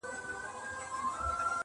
په خبر سو معامیلې دي نوري نوري,